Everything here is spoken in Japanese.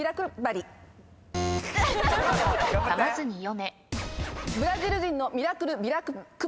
かまずに読め。